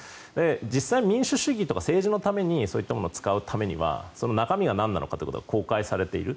実際の民主主義とか政治のためにそういったものを使うためにはその中身が何なのかということが公開されている。